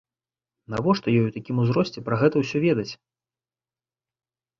Навошта ёй у такім узросце пра гэта ўсё ведаць?